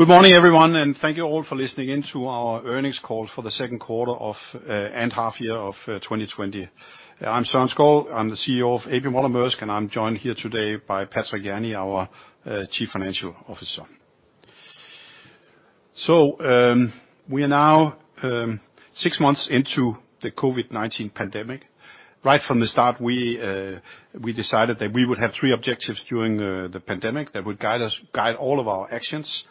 Good morning, everyone, and thank you all for listening in to our earnings call for the second quarter and half year of 2020. I'm Søren Skou. I'm the CEO of A.P. Moller - Maersk, and I'm joined here today by Patrick Jany, our Chief Financial Officer. We are now six months into the COVID-19 pandemic. Right from the start, we decided that we would have three objectives during the pandemic that would guide all of our actions.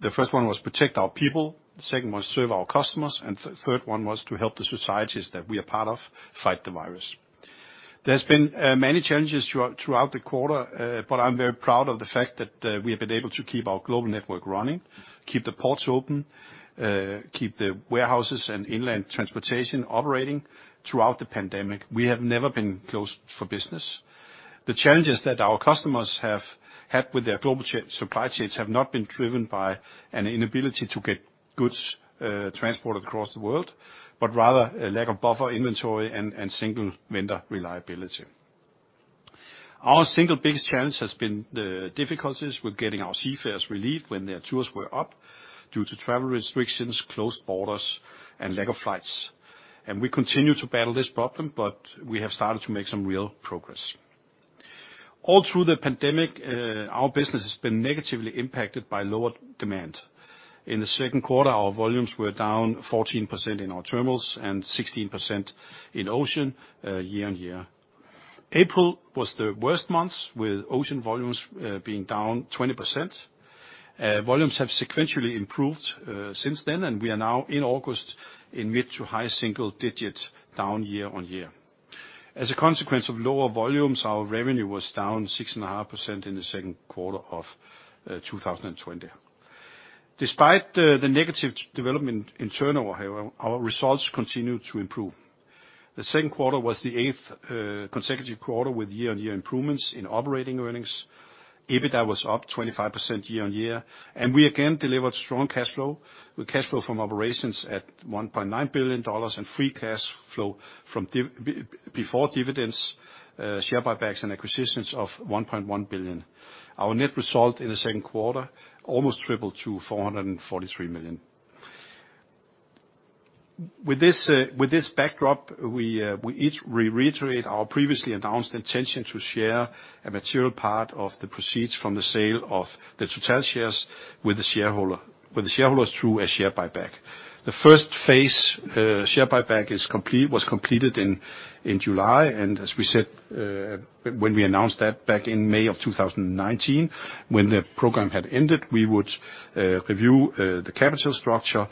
The first one was protect our people, the second one, serve our customers, and third one was to help the societies that we are part of fight the virus. There's been many challenges throughout the quarter, but I'm very proud of the fact that we have been able to keep our global network running, keep the ports open, keep the warehouses and inland transportation operating throughout the pandemic. We have never been closed for business. The challenges that our customers have had with their global supply chains have not been driven by an inability to get goods transported across the world, but rather a lack of buffer inventory and single vendor reliability. Our single biggest challenge has been the difficulties with getting our seafarers relieved when their tours were up due to travel restrictions, closed borders, and lack of flights. We continue to battle this problem, but we have started to make some real progress. All through the pandemic, our business has been negatively impacted by lower demand. In the second quarter, our volumes were down 14% in our terminals and 16% in ocean, year-on-year. April was the worst month, with ocean volumes being down 20%. Volumes have sequentially improved since then, and we are now in August in mid to high single digits down year-on-year. As a consequence of lower volumes, our revenue was down 6.5% in the second quarter of 2020. Despite the negative development in turnover, however, our results continued to improve. The second quarter was the eighth consecutive quarter with year-on-year improvements in operating earnings. EBITDA was up 25% year-on-year. We again delivered strong cash flow, with cash flow from operations at $1.9 billion and free cash flow before dividends, share buybacks and acquisitions of $1.1 billion. Our net result in the second quarter almost tripled to $443 million. With this backdrop, we reiterate our previously announced intention to share a material part of the proceeds from the sale of the Total shares with the shareholders through a share buyback. The first phase share buyback was completed in July, as we said when we announced that back in May of 2019, when the program had ended, we would review the capital structure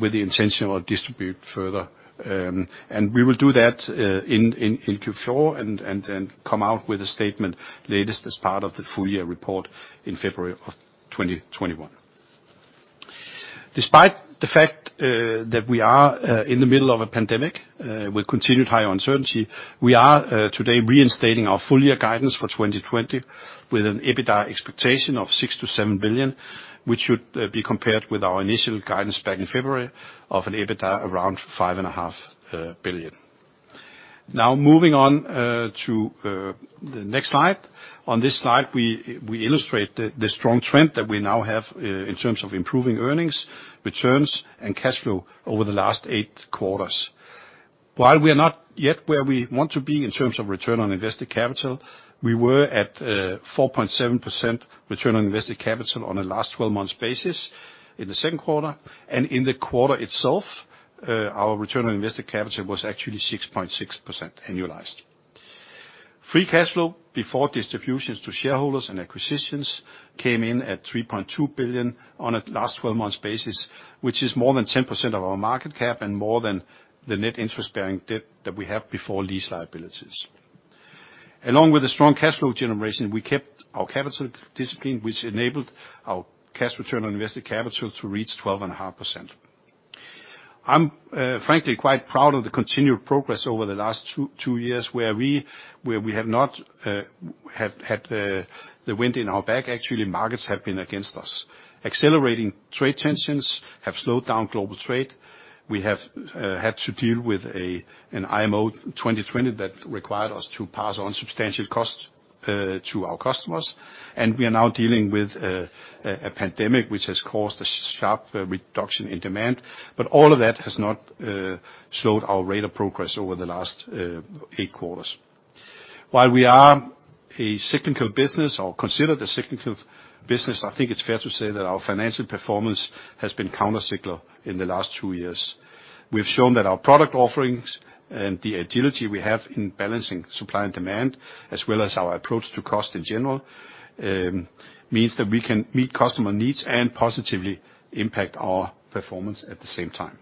with the intention of distribute further. We will do that in Q4 and come out with a statement latest as part of the full year report in February of 2021. Despite the fact that we are in the middle of a pandemic with continued high uncertainty, we are today reinstating our full year guidance for 2020 with an EBITDA expectation of $6 billion-$7 billion, which should be compared with our initial guidance back in February of an EBITDA around $5.5 billion. Now, moving on to the next slide. On this slide, we illustrate the strong trend that we now have in terms of improving earnings, returns, and cash flow over the last eight quarters. While we are not yet where we want to be in terms of return on invested capital, we were at 4.7% return on invested capital on a last 12 months basis in the second quarter. In the quarter itself, our return on invested capital was actually 6.6% annualized. Free cash flow before distributions to shareholders and acquisitions came in at $3.2 billion on a last 12 months basis, which is more than 10% of our market cap and more than the net interest-bearing debt that we have before lease liabilities. Along with the strong cash flow generation, we kept our capital discipline, which enabled our cash return on invested capital to reach 12.5%. I'm frankly quite proud of the continued progress over the last two years where we have not had the wind in our back. Actually, markets have been against us. Accelerating trade tensions have slowed down global trade. We have had to deal with an IMO 2020 that required us to pass on substantial costs to our customers, and we are now dealing with a pandemic which has caused a sharp reduction in demand. All of that has not slowed our rate of progress over the last eight quarters. While we are a cyclical business or considered a cyclical business, I think it's fair to say that our financial performance has been counter-cyclical in the last two years. We've shown that our product offerings and the agility we have in balancing supply and demand, as well as our approach to cost in general, means that we can meet customer needs and positively impact our performance at the same time.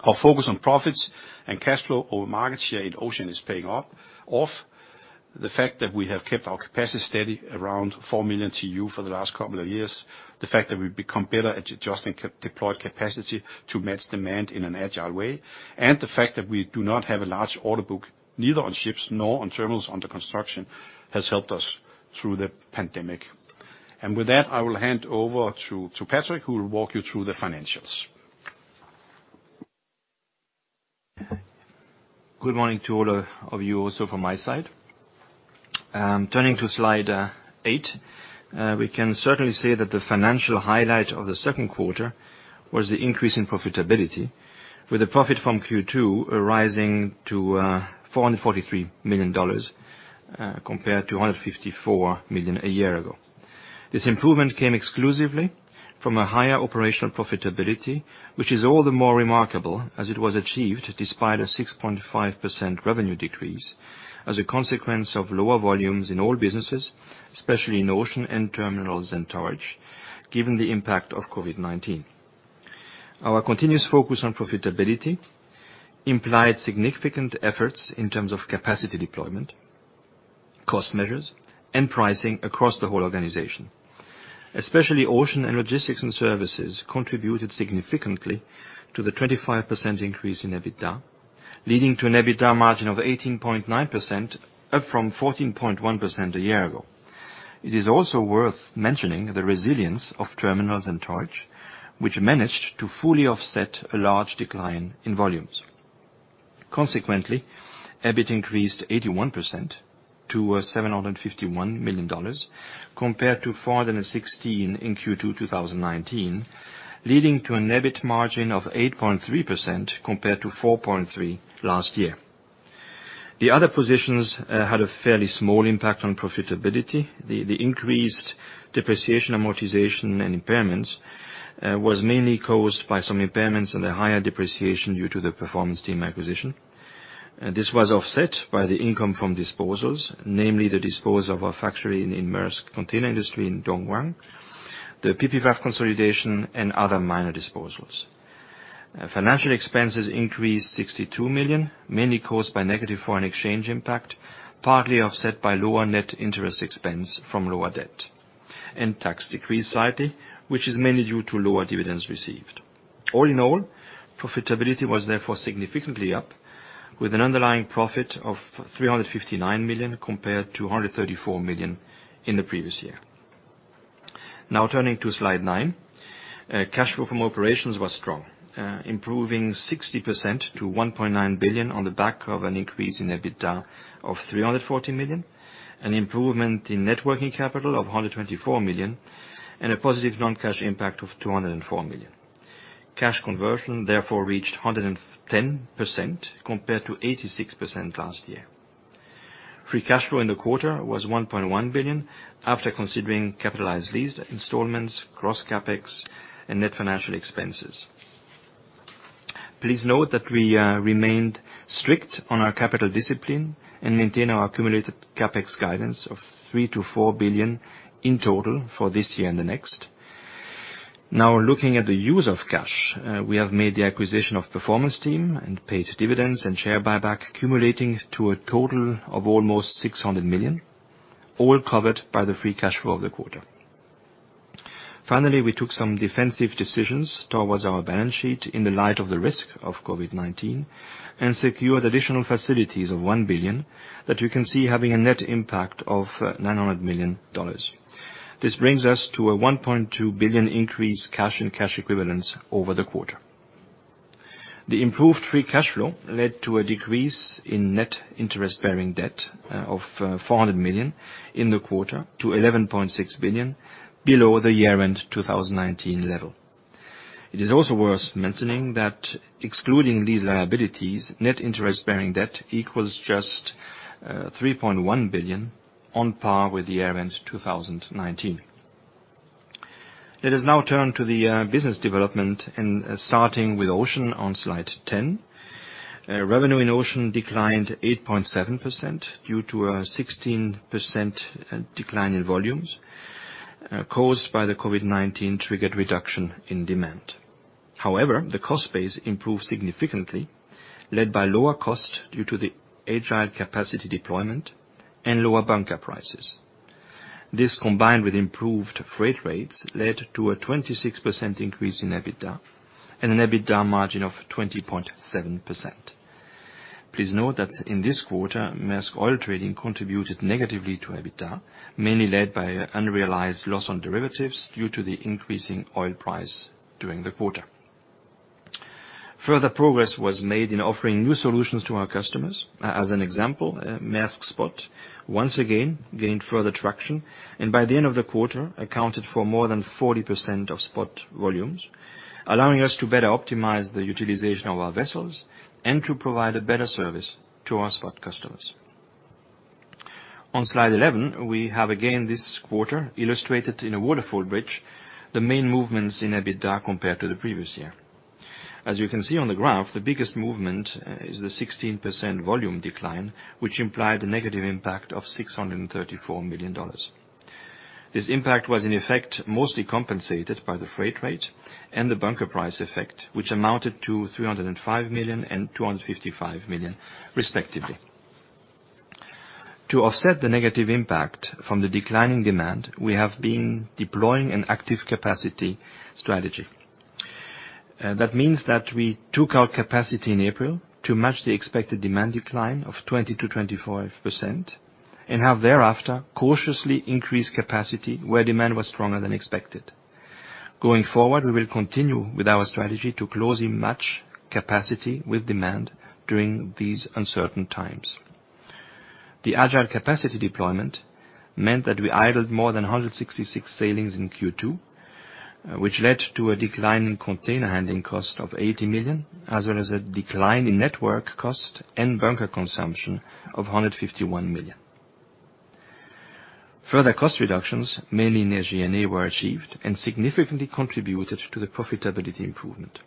Our focus on profits and cash flow over market share in ocean is paying off. The fact that we have kept our capacity steady around 4 million TEU for the last couple of years, the fact that we've become better at adjusting deployed capacity to match demand in an agile way, and the fact that we do not have a large order book, neither on ships nor on terminals under construction, has helped us through the pandemic. With that, I will hand over to Patrick, who will walk you through the financials. Good morning to all of you also from my side. Turning to slide eight. We can certainly say that the financial highlight of the second quarter was the increase in profitability, with a profit from Q2 rising to $443 million compared to $154 million a year ago. This improvement came exclusively from a higher operational profitability, which is all the more remarkable as it was achieved despite a 6.5% revenue decrease as a consequence of lower volumes in all businesses, especially in Ocean and Terminals and Towage, given the impact of COVID-19. Our continuous focus on profitability implied significant efforts in terms of capacity deployment, cost measures, and pricing across the whole organization. Especially Ocean and Logistics & Services contributed significantly to the 25% increase in EBITDA, leading to an EBITDA margin of 18.9%, up from 14.1% a year ago. It is also worth mentioning the resilience of Terminals and Towage, which managed to fully offset a large decline in volumes. Consequently, EBIT increased 81% to $751 million compared to $416 million in Q2 2019, leading to an EBIT margin of 8.3% compared to 4.3% last year. The other positions had a fairly small impact on profitability. The increased depreciation, amortization, and impairments was mainly caused by some impairments and a higher depreciation due to the Performance Team acquisition. This was offset by the income from disposals, namely the disposal of our factory in Maersk Container Industry in Dongguan, the PPF consolidation, and other minor disposals. Financial expenses increased $62 million, mainly caused by negative foreign exchange impact, partly offset by lower net interest expense from lower debt. Tax decreased slightly, which is mainly due to lower dividends received. All in all, profitability was significantly up, with an underlying profit of $359 million compared to $134 million in the previous year. Turning to slide nine. Cash flow from operations was strong, improving 60% to $1.9 billion on the back of an increase in EBITDA of $340 million, an improvement in net working capital of $124 million, and a positive non-cash impact of $204 million. Cash conversion reached 110% compared to 86% last year. Free cash flow in the quarter was $1.1 billion after considering capitalized lease installments, gross CapEx, and net financial expenses. Please note that we remained strict on our capital discipline and maintain our accumulated CapEx guidance of $3 billion-$4 billion in total for this year and the next. Looking at the use of cash. We have made the acquisition of Performance Team and paid dividends and share buyback, accumulating to a total of almost $600 million, all covered by the free cash flow of the quarter. Finally, we took some defensive decisions towards our balance sheet in the light of the risk of COVID-19 and secured additional facilities of $1 billion that you can see having a net impact of $900 million. This brings us to a $1.2 billion increase cash and cash equivalents over the quarter. The improved free cash flow led to a decrease in net interest-bearing debt of $400 million in the quarter to $11.6 billion below the year-end 2019 level. It is also worth mentioning that excluding these liabilities, net interest-bearing debt equals just $3.1 billion, on par with year-end 2019. Let us now turn to the business development and starting with Ocean on slide 10. Revenue in Ocean declined 8.7% due to a 16% decline in volumes, caused by the COVID-19-triggered reduction in demand. The cost base improved significantly, led by lower cost due to the agile capacity deployment and lower bunker prices. This, combined with improved freight rates, led to a 26% increase in EBITDA and an EBITDA margin of 20.7%. Please note that in this quarter, Maersk Oil Trading contributed negatively to EBITDA, mainly led by unrealized loss on derivatives due to the increasing oil price during the quarter. Further progress was made in offering new solutions to our customers. As an example, Maersk Spot once again gained further traction, and by the end of the quarter accounted for more than 40% of spot volumes, allowing us to better optimize the utilization of our vessels and to provide a better service to our spot customers. On slide 11, we have again this quarter illustrated in a waterfall bridge the main movements in EBITDA compared to the previous year. As you can see on the graph, the biggest movement is the 16% volume decline, which implied a negative impact of $634 million. This impact was in effect mostly compensated by the freight rate and the bunker price effect, which amounted to $305 million and $255 million respectively. To offset the negative impact from the decline in demand, we have been deploying an active capacity strategy. That means that we took out capacity in April to match the expected demand decline of 20%-25% and have thereafter cautiously increased capacity where demand was stronger than expected. Going forward, we will continue with our strategy to closely match capacity with demand during these uncertain times. The agile capacity deployment meant that we idled more than 166 sailings in Q2, which led to a decline in container handling cost of $80 million, as well as a decline in network cost and bunker consumption of $151 million. Further cost reductions, mainly in SG&A were achieved and significantly contributed to the profitability improvement.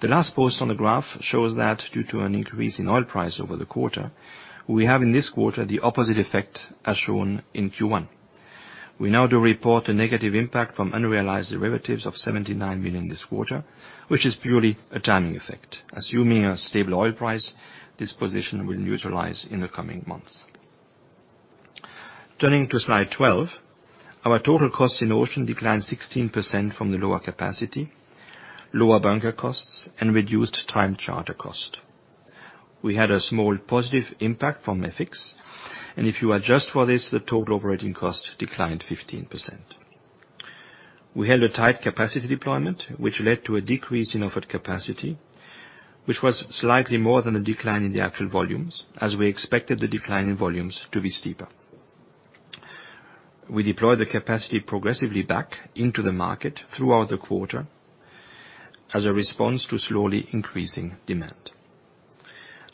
The last post on the graph shows that due to an increase in oil price over the quarter, we have in this quarter the opposite effect as shown in Q1. We now do report a negative impact from unrealized derivatives of $79 million this quarter, which is purely a timing effect. Assuming a stable oil price, this position will neutralize in the coming months. Turning to slide 12. Our total cost in ocean declined 16% from the lower capacity, lower bunker costs, and reduced time charter cost. We had a small positive impact from FX, and if you adjust for this, the total operating cost declined 15%. We held a tight capacity deployment, which led to a decrease in offered capacity, which was slightly more than a decline in the actual volumes as we expected the decline in volumes to be steeper. We deployed the capacity progressively back into the market throughout the quarter as a response to slowly increasing demand.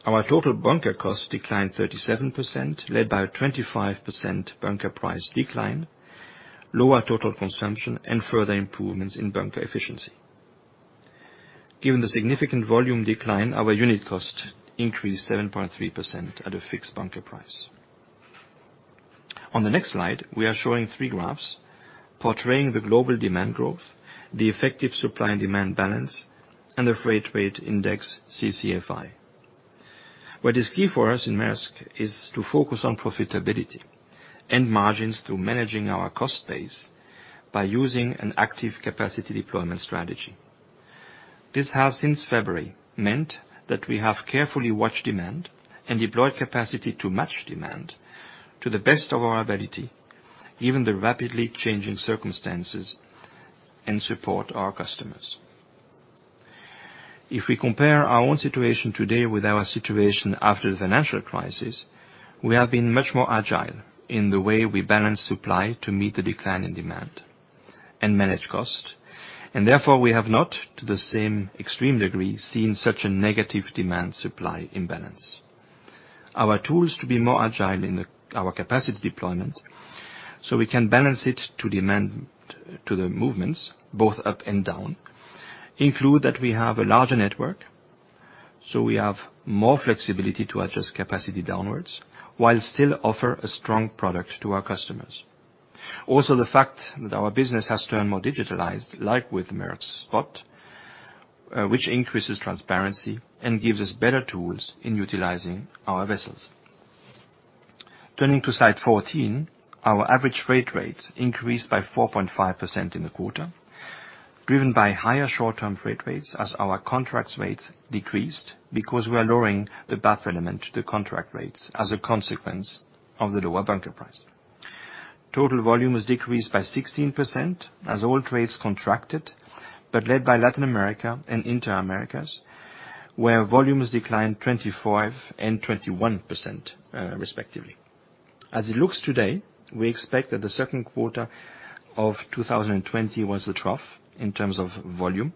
Our total bunker cost declined 37%, led by a 25% bunker price decline, lower total consumption, and further improvements in bunker efficiency. Given the significant volume decline, our unit cost increased 7.3% at a fixed bunker price. On the next slide, we are showing three graphs portraying the global demand growth, the effective supply and demand balance, and the freight rate index, CCFI. What is key for us in Maersk is to focus on profitability and margins through managing our cost base by using an active capacity deployment strategy. This has since February meant that we have carefully watched demand and deployed capacity to match demand to the best of our ability, given the rapidly changing circumstances and support our customers. If we compare our own situation today with our situation after the financial crisis, we have been much more agile in the way we balance supply to meet the decline in demand and manage cost, and therefore we have not to the same extreme degree seen such a negative demand supply imbalance. Our tools to be more agile in our capacity deployment so we can balance it to demand to the movements both up and down include that we have a larger network, so we have more flexibility to adjust capacity downwards while still offer a strong product to our customers. The fact that our business has turned more digitalized, like with Maersk Spot, which increases transparency and gives us better tools in utilizing our vessels. Turning to slide 14, our average freight rates increased by 4.5% in the quarter, driven by higher short-term freight rates as our contracts rates decreased because we are lowering the BAF element, the contract rates as a consequence of the lower bunker price. Total volumes decreased by 16% as all trades contracted, but led by Latin America and Intra-Americas, where volumes declined 25% and 21% respectively. As it looks today, we expect that the second quarter of 2020 was the trough in terms of volume.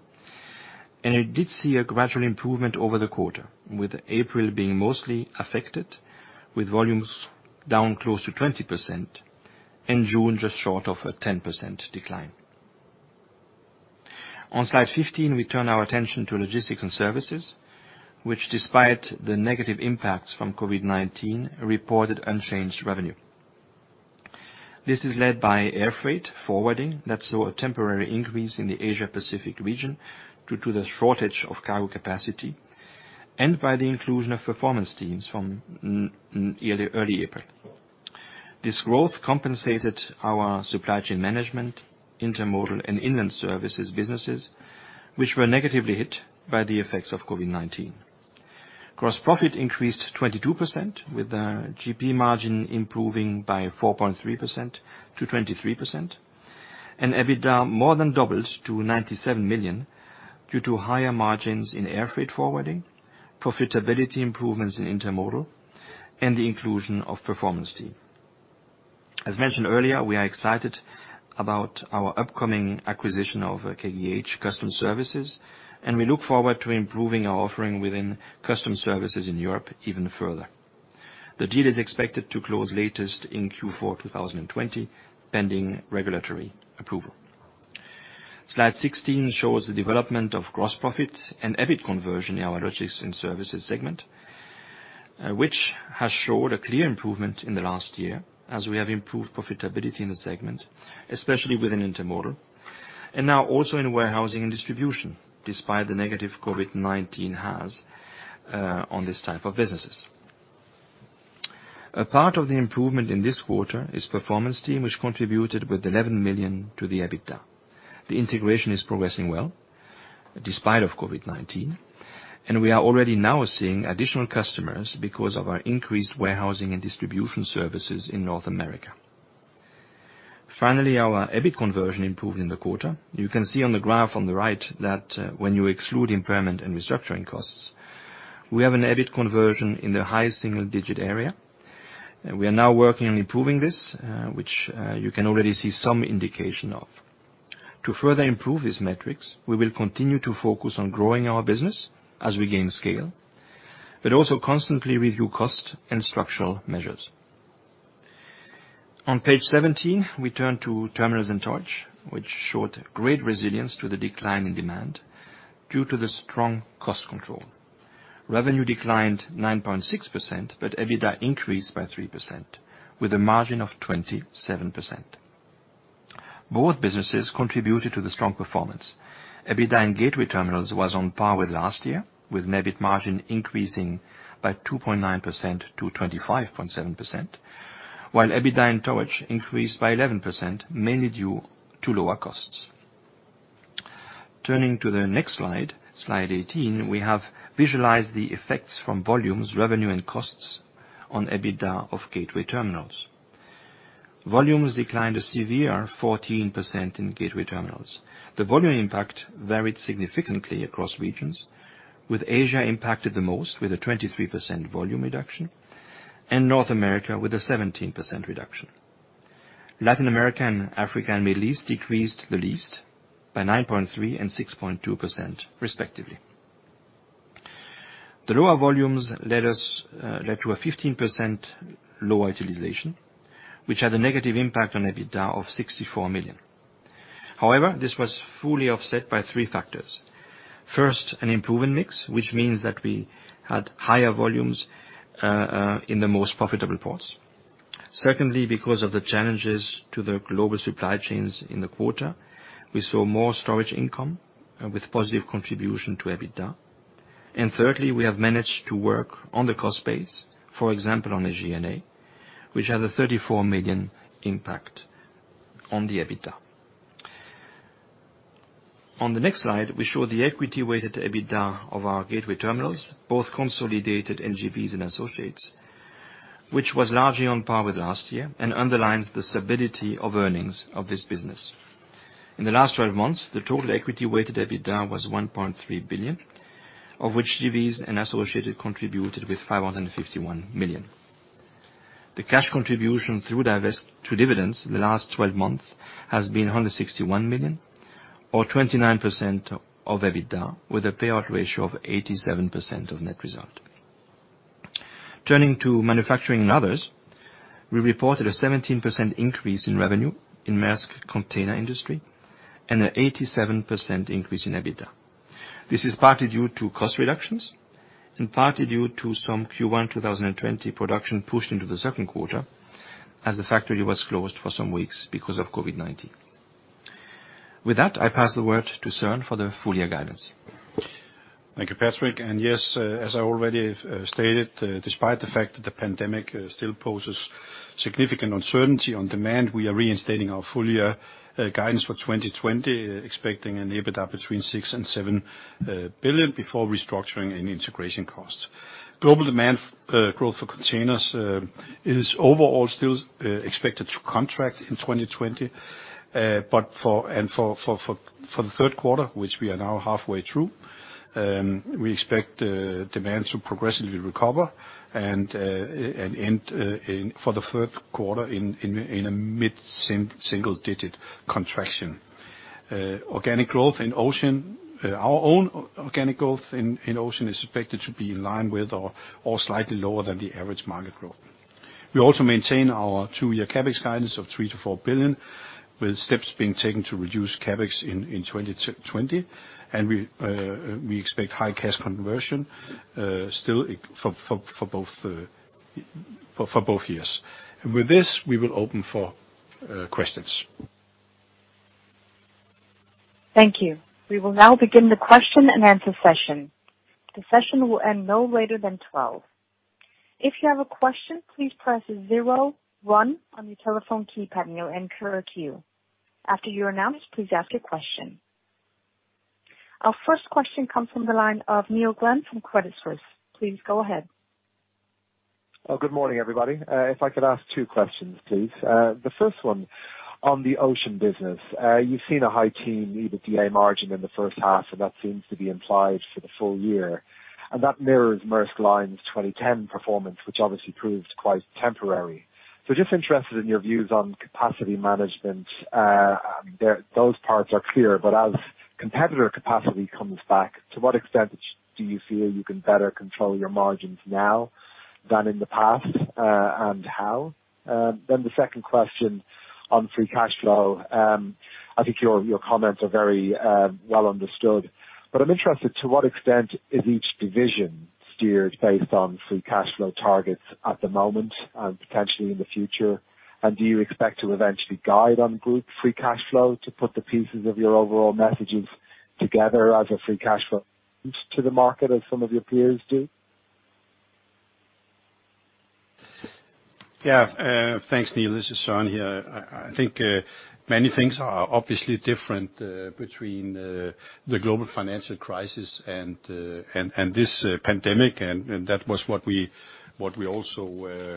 It did see a gradual improvement over the quarter, with April being mostly affected, with volumes down close to 20% and June just short of a 10% decline. On slide 15, we turn our attention to Logistics and Services, which despite the negative impacts from COVID-19, reported unchanged revenue. This is led by air freight forwarding that saw a temporary increase in the Asia Pacific region due to the shortage of cargo capacity and by the inclusion of Performance Team from early April. This growth compensated our supply chain management, intermodal and inland services businesses, which were negatively hit by the effects of COVID-19. Gross profit increased 22% with the GP margin improving by 4.3%-23%, and EBITDA more than doubled to $97 million due to higher margins in air freight forwarding, profitability improvements in intermodal, and the inclusion of Performance Team. As mentioned earlier, we are excited about our upcoming acquisition of KGH Customs Services, and we look forward to improving our offering within customs services in Europe even further. The deal is expected to close latest in Q4 2020, pending regulatory approval. Slide 16 shows the development of gross profit and EBIT conversion in our Logistics and Services segment, which has showed a clear improvement in the last year as we have improved profitability in the segment, especially within intermodal and now also in warehousing and distribution despite the negative COVID-19 has on this type of businesses. A part of the improvement in this quarter is Performance Team, which contributed with $11 million to the EBITDA. The integration is progressing well despite COVID-19, and we are already now seeing additional customers because of our increased warehousing and distribution services in North America. Finally, our EBIT conversion improved in the quarter. You can see on the graph on the right that when you exclude impairment and restructuring costs, we have an EBIT conversion in the highest single-digit area. We are now working on improving this, which you can already see some indication of. To further improve these metrics, we will continue to focus on growing our business as we gain scale, but also constantly review cost and structural measures. On page 17, we turn to Terminals and Towage, which showed great resilience to the decline in demand due to the strong cost control. Revenue declined 9.6%. EBITDA increased by 3%, with a margin of 27%. Both businesses contributed to the strong performance. EBITDA and Gateway terminals was on par with last year, with an EBIT margin increasing by 2.9%-25.7%. EBITDA in Towage increased by 11%, mainly due to lower costs. Turning to the next slide 18, we have visualized the effects from volumes, revenue, and costs on EBITDA of Gateway terminals. Volumes declined a severe 14% in Gateway terminals. The volume impact varied significantly across regions, with Asia impacted the most with a 23% volume reduction. North America with a 17% reduction. Latin America, Africa and Middle East decreased the least by 9.3% and 6.2% respectively. The lower volumes led to a 15% low utilization, which had a negative impact on EBITDA of $64 million. This was fully offset by three factors. First, an improvement mix, which means that we had higher volumes in the most profitable ports. Secondly, because of the challenges to the global supply chains in the quarter, we saw more storage income with positive contribution to EBITDA. Thirdly, we have managed to work on the cost base, for example, on a G&A, which had a $34 million impact on the EBITDA. On the next slide, we show the equity-weighted EBITDA of our gateway terminals, both consolidated JVs and associates, which was largely on par with last year and underlines the stability of earnings of this business. In the last 12 months, the total equity-weighted EBITDA was $1.3 billion, of which JVs and associated contributed with $551 million. The cash contribution through divest to dividends in the last 12 months has been $161 million or 29% of EBITDA, with a payout ratio of 87% of net result. Turning to manufacturing and others, we reported a 17% increase in revenue in Maersk Container Industry and an 87% increase in EBITDA. This is partly due to cost reductions and partly due to some Q1 2020 production pushed into the second quarter as the factory was closed for some weeks because of COVID-19. With that, I pass the word to Søren for the full year guidance. Thank you, Patrick. Yes, as I already have stated, despite the fact that the pandemic still poses significant uncertainty on demand, we are reinstating our full year guidance for 2020, expecting an EBITDA between $6 billion and $7 billion before restructuring any integration costs. Global demand growth for containers is overall still expected to contract in 2020. For the third quarter, which we are now halfway through, we expect demand to progressively recover and end for the third quarter in a mid single-digit contraction. Organic growth in ocean. Our own organic growth in ocean is expected to be in line with or slightly lower than the average market growth. We also maintain our two year CapEx guidance of $3 billion-$4 billion, with steps being taken to reduce CapEx in 2020, and we expect high cash conversion still for both years. With this, we will open for questions. Thank you. We will now begin the question-and-answer session. The session will end no later than 12:00. Our first question comes from the line of Neil Glynn from Credit Suisse. Please go ahead. Good morning, everybody. If I could ask two questions, please. The first one on the ocean business. You've seen a high teen EBITDA margin in the first half, and that seems to be implied for the full year. That mirrors Maersk Line's 2010 performance, which obviously proved quite temporary. Just interested in your views on capacity management. Those parts are clear, as competitor capacity comes back, to what extent do you feel you can better control your margins now than in the past, and how? The second question on free cash flow. I think your comments are very well understood, I'm interested to what extent is each division steered based on free cash flow targets at the moment and potentially in the future? Do you expect to eventually guide on group free cash flow to put the pieces of your overall messages together as a free cash flow to the market as some of your peers do? Yeah. Thanks, Neil. This is Søren here. I think many things are obviously different between the global financial crisis and this pandemic, and that was what we also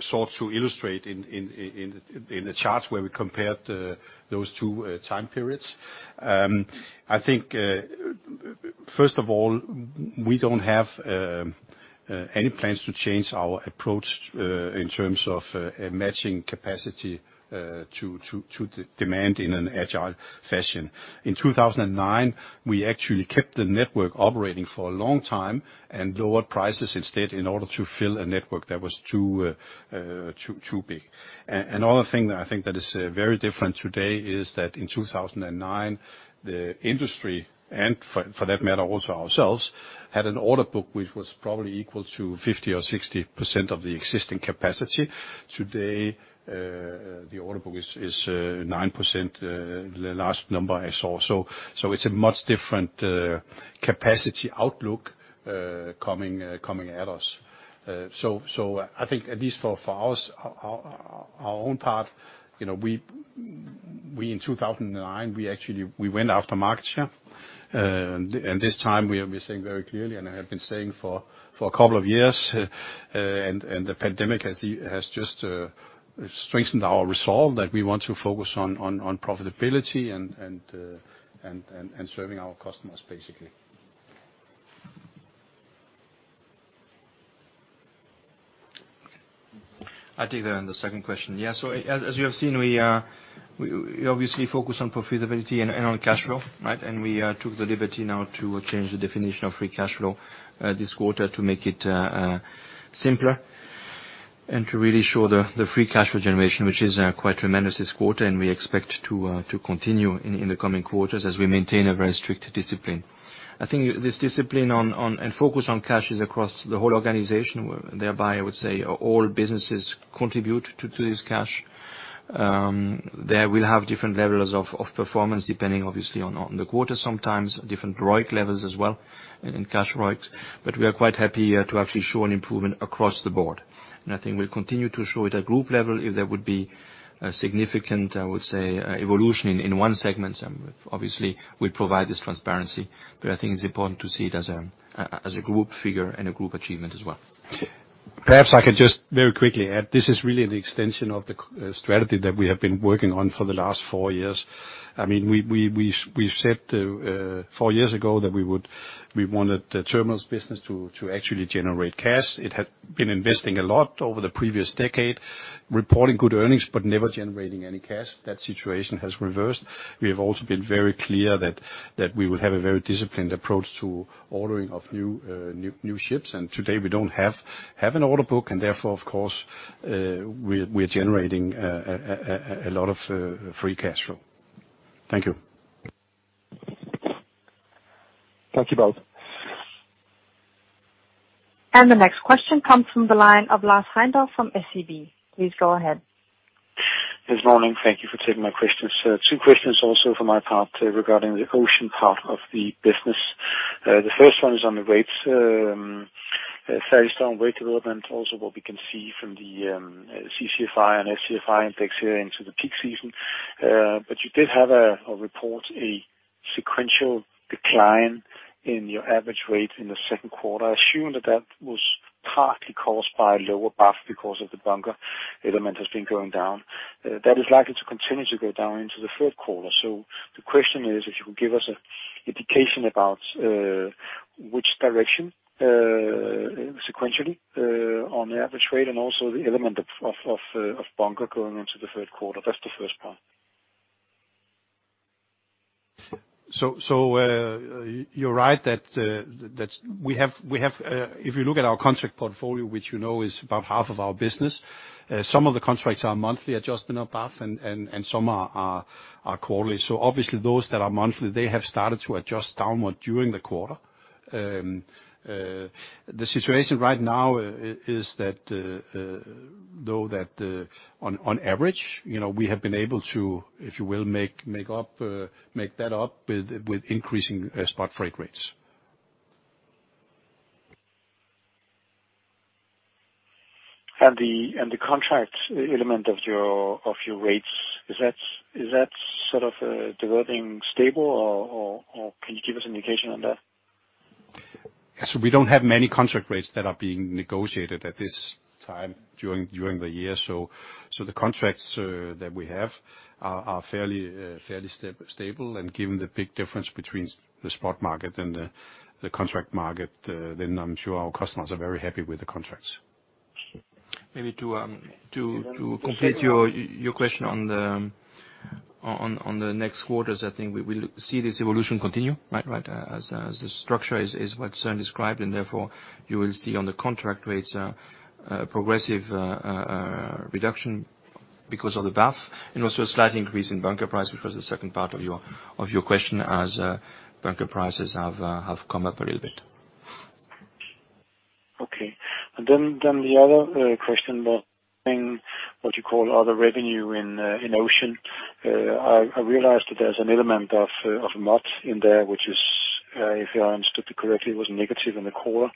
sought to illustrate in the charts where we compared those two time periods. I think, first of all, we don't have any plans to change our approach in terms of matching capacity to demand in an agile fashion. In 2009, we actually kept the network operating for a long time and lowered prices instead, in order to fill a network that was too big. Another thing that I think that is very different today is that in 2009, the industry, and for that matter, also ourselves, had an order book which was probably equal to 50% or 60% of the existing capacity. Today, the order book is 9%, the last number I saw. It's a much different capacity outlook coming at us. I think, at least for us, our own part, we, in 2009, we actually went after market share. This time, we are saying very clearly, and I have been saying for a couple of years, and the pandemic has just strengthened our resolve, that we want to focus on profitability and serving our customers, basically. I'll take on the second question. As you have seen, we obviously focus on profitability and on cash flow, right? We took the liberty now to change the definition of free cash flow this quarter to make it simpler and to really show the free cash flow generation, which is quite tremendous this quarter, and we expect to continue in the coming quarters as we maintain a very strict discipline. I think this discipline and focus on cash is across the whole organization. Thereby, I would say all businesses contribute to this cash. They will have different levels of performance, depending, obviously, on the quarter, sometimes different ROIC levels as well and cash ROICs. We are quite happy to actually show an improvement across the board. I think we'll continue to show it at group level if there would be a significant, I would say, evolution in one segment. Obviously, we provide this transparency, but I think it's important to see it as a group figure and a group achievement as well. Perhaps I could just very quickly add, this is really the extension of the strategy that we have been working on for the last four years. We said four years ago that we wanted the Terminals business to actually generate cash. It had been investing a lot over the previous decade, reporting good earnings, but never generating any cash. That situation has reversed. We have also been very clear that we will have a very disciplined approach to ordering of new ships. Today we don't have an order book, and therefore, of course, we're generating a lot of free cash flow. Thank you. Thank you both. The next question comes from the line of Lars Heindorff from SEB. Please go ahead. Yes, morning. Thank you for taking my questions. Two questions also from my part regarding the Ocean part of the business. The first one is on the rates, fairly strong rate development, also what we can see from the CCFI and SCFI index here into the peak season. You did have a report, a sequential decline in your average rate in the second quarter. I assume that that was partly caused by lower BAF because of the BAF element has been going down. That is likely to continue to go down into the third quarter. The question is, if you could give us an indication about which direction, sequentially, on the average rate, and also the element of bunker going into the third quarter. That's the first part. You're right. If you look at our contract portfolio, which you know is about half of our business, some of the contracts are monthly adjustment of BAF and some are quarterly. Obviously those that are monthly, they have started to adjust downward during the quarter. The situation right now is that, though that on average, we have been able to, if you will, make that up with increasing spot freight rates. The contract element of your rates, is that sort of developing stable or can you give us indication on that? We don't have many contract rates that are being negotiated at this time during the year. The contracts that we have are fairly stable, and given the big difference between the spot market and the contract market, I'm sure our customers are very happy with the contracts. Maybe to complete your question on the next quarters, I think we will see this evolution continue, right? As the structure is what Søren described, and therefore you will see on the contract rates a progressive reduction because of the BAF. And also a slight increase in bunker price, which was the second part of your question as bunker prices have come up a little bit. Okay. The other question was in what you call other revenue in Ocean. I realized that there's an element of MOT in there, which is. If I understood you correctly, it was negative in the quarter.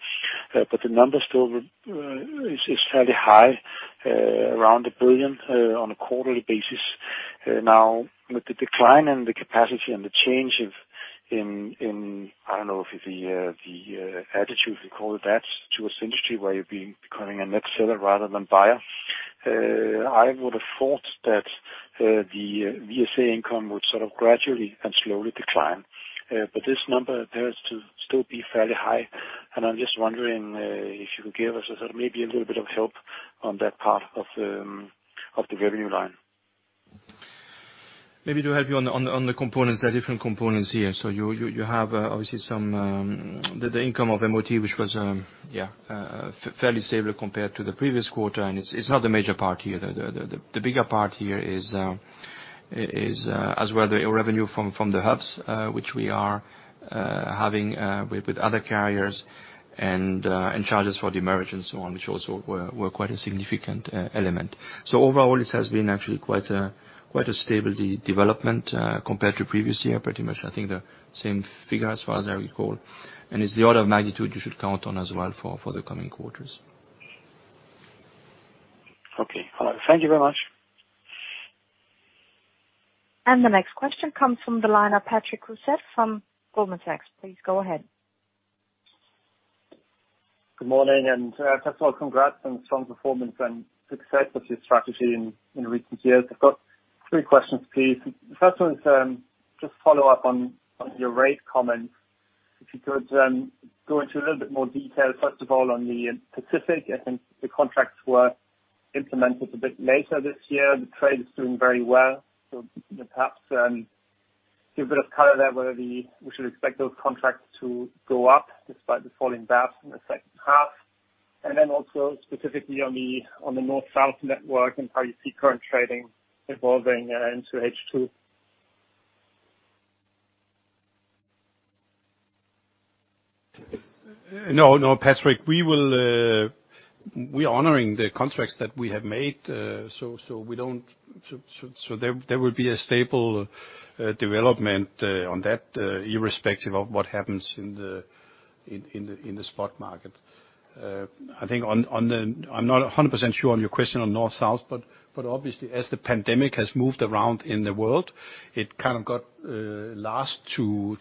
The number still is fairly high, around $1 billion on a quarterly basis. Now, with the decline in the capacity and the change in, I don't know if the attitude, if you call it that, towards industry, where you're becoming a net seller rather than buyer, I would have thought that the VSA income would sort of gradually and slowly decline. This number appears to still be fairly high, and I'm just wondering if you could give us maybe a little bit of help on that part of the revenue line. Maybe to help you on the components, there are different components here. You have, obviously, the income of MOT, which was fairly stable compared to the previous quarter, and it's not the major part here. The bigger part here is as well the revenue from the hubs, which we are having with other carriers and charges for demurrage so on, which also were quite a significant element. Overall, it has been actually quite a stable development compared to previous year. Pretty much, I think, the same figure as far as I recall. It's the order of magnitude you should count on as well for the coming quarters. Okay. All right. Thank you very much. The next question comes from the line of Patrick Roussel from Goldman Sachs. Please go ahead. Good morning. First of all, congrats on strong performance and success of your strategy in recent years. I've got three questions, please. The first one is just follow up on your rate comments. If you could go into a little bit more detail, first of all, on the Pacific. I think the contracts were implemented a bit later this year. The trade is doing very well. Perhaps, give a bit of color there, whether we should expect those contracts to go up despite the falling BAFs in the second half. Also specifically on the North/South network and how you see current trading evolving into H2. No, Patrick. We are honoring the contracts that we have made, so there will be a stable development on that, irrespective of what happens in the spot market. I'm not 100% sure on your question on North/South, but obviously, as the pandemic has moved around in the world, it kind of got last to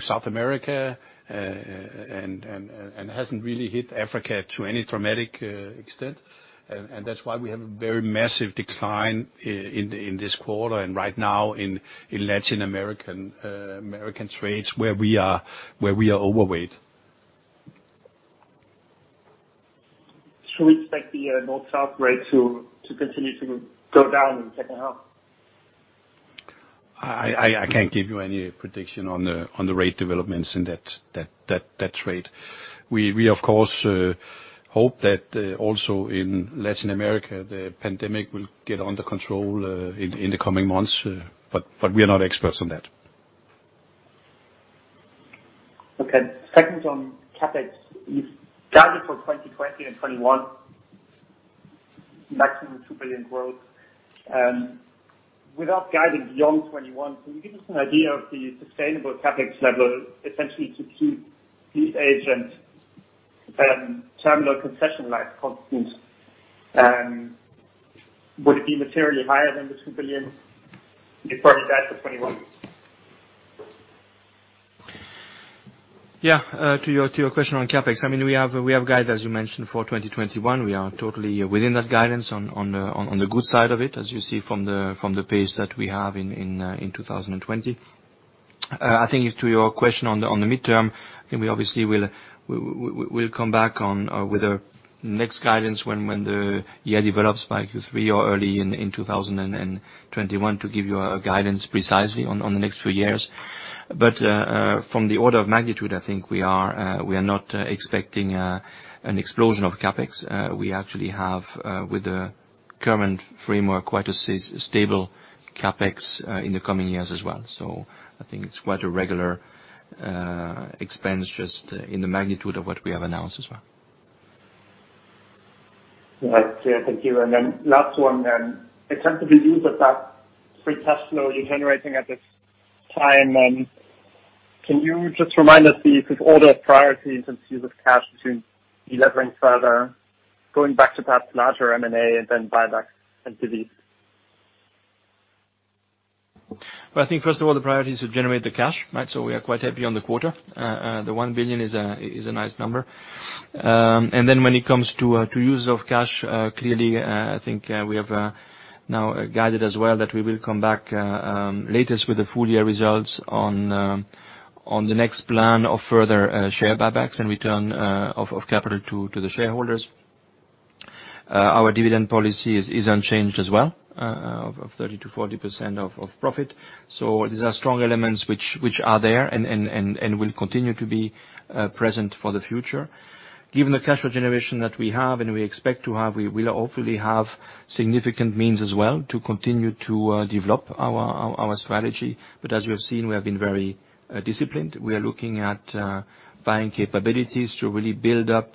South America, and hasn't really hit Africa to any dramatic extent. That's why we have a very massive decline in this quarter and right now in Latin American trades, where we are overweight. Should we expect the North/South rate to continue to go down in the second half? I can't give you any prediction on the rate developments in that trade. We, of course, hope that also in Latin America, the pandemic will get under control in the coming months, but we are not experts on that. Okay. Second on CapEx. You've guided for 2020 and 2021 maximum $2 billion growth. Without guiding beyond 2021, can you give us an idea of the sustainable CapEx level, essentially, to keep Gateway terminal concession life constant? Would it be materially higher than this $2 billion, apart of that for 2021? Yeah. To your question on CapEx, we have guide, as you mentioned, for 2021. We are totally within that guidance on the good side of it, as you see from the pace that we have in 2020. I think to your question on the midterm, I think we obviously will come back with our next guidance when the year develops by Q3 or early in 2021 to give you a guidance precisely on the next few years. From the order of magnitude, I think we are not expecting an explosion of CapEx. We actually have, with the current framework, quite a stable CapEx in the coming years as well. I think it's quite a regular expense, just in the magnitude of what we have announced as well. Right. Thank you. Last one. In terms of the use of that free cash flow you're generating at this time, can you just remind us the order of priority in terms of use of cash between delevering further, going back to perhaps larger M&A and then buyback and dividends? Well, I think first of all, the priority is to generate the cash, right? We are quite happy on the quarter. The $1 billion is a nice number. When it comes to use of cash, clearly, I think we have now guided as well that we will come back latest with the full year results on the next plan of further share buybacks and return of capital to the shareholders. Our dividend policy is unchanged as well, of 30%-40% of profit. These are strong elements which are there and will continue to be present for the future. Given the cash flow generation that we have and we expect to have, we will hopefully have significant means as well to continue to develop our strategy. As you have seen, we have been very disciplined. We are looking at buying capabilities to really build up.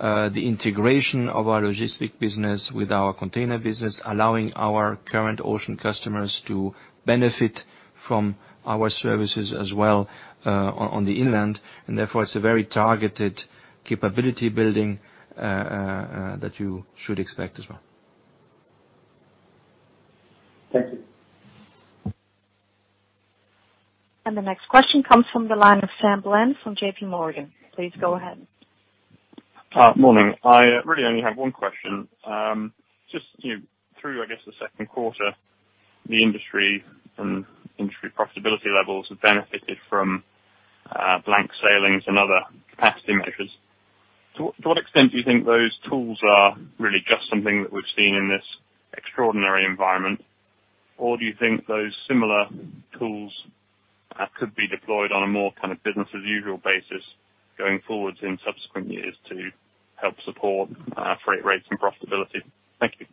The integration of our Logistics and Services business with our container business, allowing our current ocean customers to benefit from our services as well on the inland. Therefore, it's a very targeted capability building that you should expect as well. Thank you. The next question comes from the line of Sam Bland from JPMorgan. Please go ahead. Morning. Through I guess the second quarter, the industry and industry profitability levels have benefited from blank sailings and other capacity measures. To what extent do you think those tools are really just something that we've seen in this extraordinary environment? Or do you think those similar tools could be deployed on a more business as usual basis going forward in subsequent years to help support freight rates and profitability? Thank you.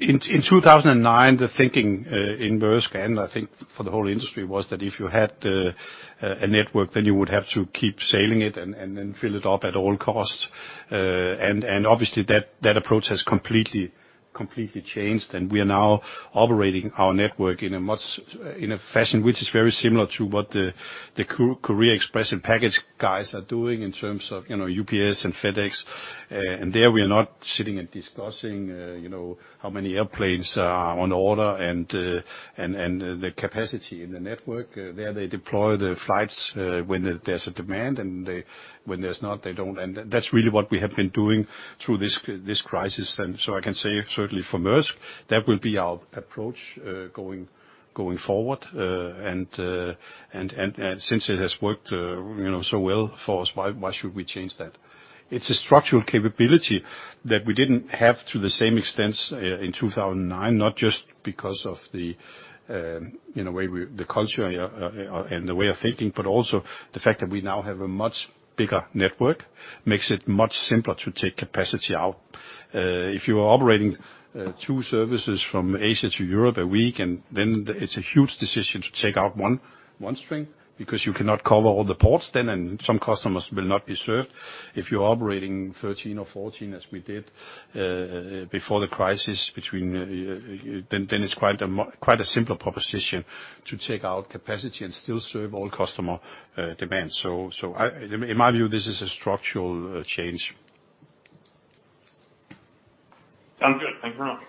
In 2009, the thinking in Maersk, and I think for the whole industry, was that if you had a network, then you would have to keep sailing it and then fill it up at all costs. Obviously that approach has completely changed, and we are now operating our network in a fashion which is very similar to what the courier express and package guys are doing in terms of UPS and FedEx. There, we are not sitting and discussing how many airplanes are on order and the capacity in the network. There, they deploy the flights when there's a demand, and when there's not, they don't. That's really what we have been doing through this crisis. I can say certainly for Maersk, that will be our approach going forward. Since it has worked so well for us, why should we change that? It's a structural capability that we didn't have to the same extent in 2009, not just because of the culture and the way of thinking, but also the fact that we now have a much bigger network, makes it much simpler to take capacity out. If you are operating two services from Asia to Europe a week, then it's a huge decision to take out one string, because you cannot cover all the ports then, and some customers will not be served. If you're operating 13 or 14 as we did before the crisis, then it's quite a simpler proposition to take out capacity and still serve all customer demands. In my view, this is a structural change. Sounds good. Thanks very much.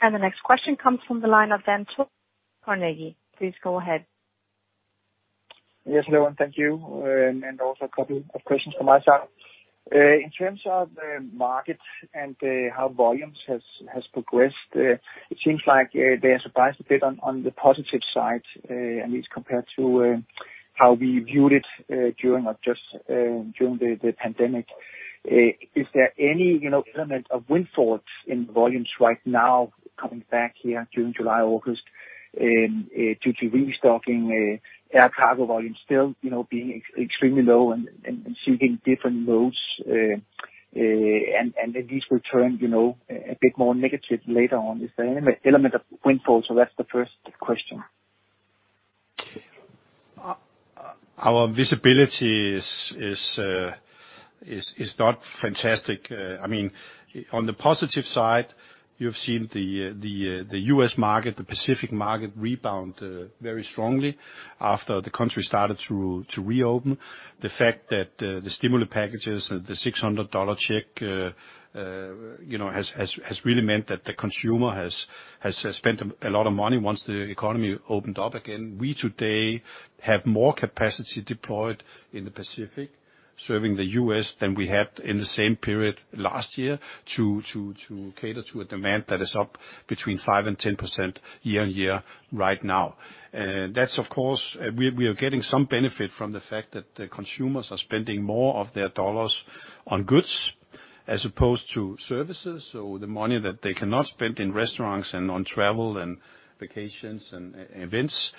The next question comes from the line of Dan Togo, Carnegie. Please go ahead. Yes. Hello, thank you. Also a couple of questions from my side. In terms of the market and how volumes has progressed, it seems like they are surprised a bit on the positive side, at least compared to how we viewed it during the pandemic. Is there any element of windfall in volumes right now coming back here June, July, August, due to restocking air cargo volume still being extremely low and seeking different modes, and at least return a bit more negative later on? Is there any element of windfall? That's the first question. Our visibility is not fantastic. On the positive side, you've seen the US market, the Pacific market rebound very strongly after the country started to reopen. The fact that the stimulus packages, the $600 check, has really meant that the consumer has spent a lot of money once the economy opened up again. We today have more capacity deployed in the Pacific serving the U.S. than we had in the same period last year to cater to a demand that is up 5%-10% year-on-year right now. We are getting some benefit from the fact that the consumers are spending more of their dollars on goods as opposed to services. The money that they cannot spend in restaurants and on travel and vacations and events,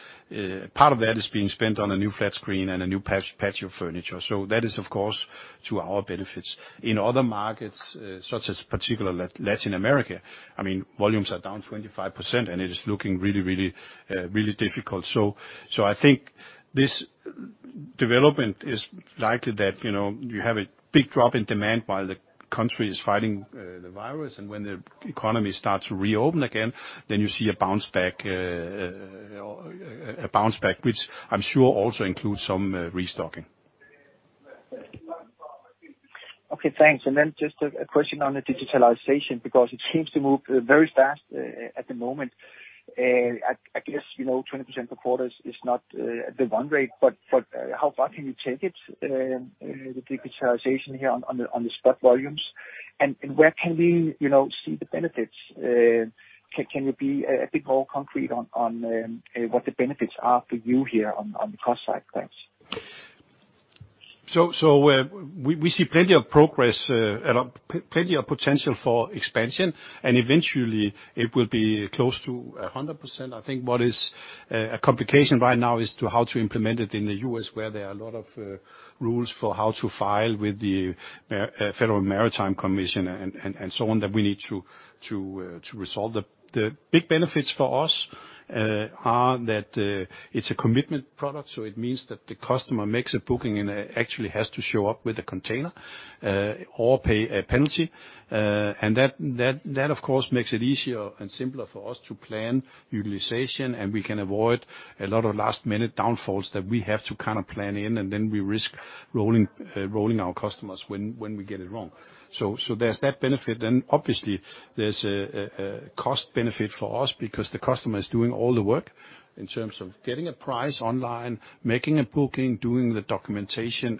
part of that is being spent on a new flat screen and a new patio furniture. That is, of course, to our benefits. In other markets, such as particularly Latin America, volumes are down 25% and it is looking really difficult. I think this development is likely that you have a big drop in demand while the country is fighting the virus. When the economy starts to reopen again, then you see a bounce back which I'm sure also includes some restocking. Okay, thanks. Just a question on the digitalization, because it seems to move very fast at the moment. I guess 20% per quarter is not the run rate, but how far can you take it, the digitalization here on the spot volumes? Where can we see the benefits? Can you be a bit more concrete on what the benefits are for you here on the cost side? Thanks. We see plenty of progress and plenty of potential for expansion, and eventually it will be close to 100%. I think what is a complication right now is how to implement it in the U.S., where there are a lot of rules for how to file with the Federal Maritime Commission and so on, that we need to resolve. The big benefits for us are that it's a commitment product, so it means that the customer makes a booking and actually has to show up with a container, or pay a penalty. That, of course, makes it easier and simpler for us to plan utilization. We can avoid a lot of last-minute downfalls that we have to plan in, and then we risk rolling our customers when we get it wrong. There's that benefit. Obviously, there's a cost benefit for us because the customer is doing all the work in terms of getting a price online, making a booking, doing the documentation,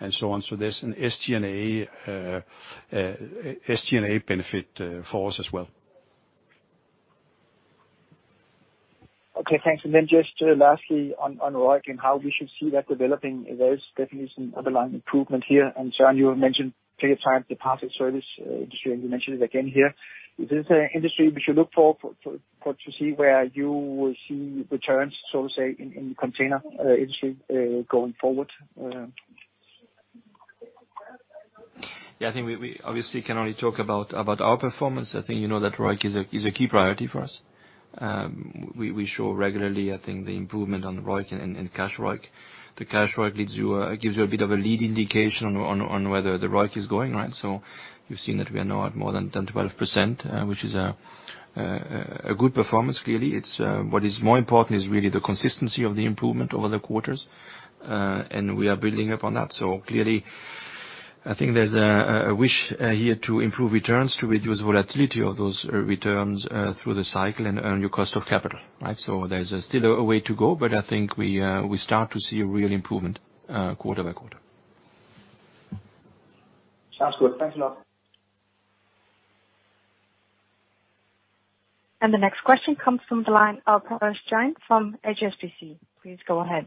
and so on. There's an SG&A benefit for us as well. Okay, thanks. Just lastly on ROIC and how we should see that developing. There is definitely some underlying improvement here. Søren, you have mentioned clear time departure service industry, and you mentioned it again here. Is this a industry we should look for to see where you will see returns, so to say, in the container industry going forward? Yeah, I think we obviously can only talk about our performance. I think you know that ROIC is a key priority for us. We show regularly, I think, the improvement on the ROIC and cash ROIC. The cash ROIC gives you a bit of a lead indication on whether the ROIC is going right. You've seen that we are now at more than 10%-12%, which is a good performance, clearly. What is more important is really the consistency of the improvement over the quarters. We are building upon that. Clearly, I think there's a wish here to improve returns, to reduce volatility of those returns through the cycle and earn your cost of capital. There's still a way to go, but I think we start to see a real improvement quarter by quarter. Sounds good. Thanks a lot. The next question comes from the line of Parash Jain from HSBC. Please go ahead.